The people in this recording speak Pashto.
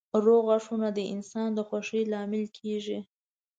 روغ غاښونه د انسان د خوښۍ لامل کېږي.